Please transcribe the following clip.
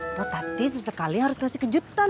mbak tati sesekali harus kasih kejutan